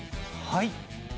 はい。